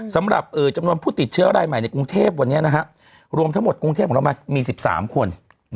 สำหรับจำนวนผู้ติดเชื้อรายใหม่ในกรุงเทพวันนี้รวมทั้งหมดกรุงเทพของเรามามี๑๓คน